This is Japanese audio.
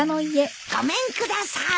ごめんください。